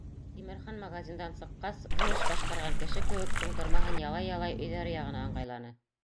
Тимерхан магазиндан сыҡҡас, ҙур эш башҡарған кеше кеүек, туңдырмаһын ялай-ялай өйҙәре яғына ыңғайланы.